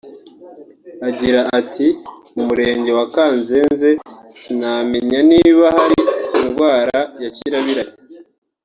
Agira ati “Mu murenge wa Kanzenze sinamenya niba hari indwara ya Kirabiranya